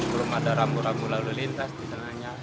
belum ada rambu rambu lalu lintas di tengahnya